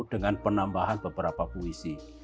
dengan penambahan beberapa puisi